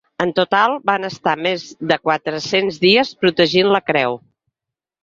En total, van estar més de quatre-cents dies protegint la creu.